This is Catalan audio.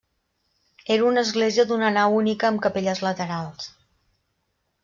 Era una església d'una nau única amb capelles laterals.